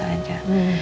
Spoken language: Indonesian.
dan lagi bu chandra